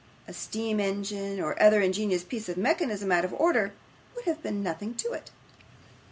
A steam engine, or other ingenious piece of mechanism out of order, would have been nothing to it.